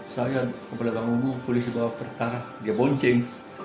saya kepala bangungmu polisi bawa perkara dia boncing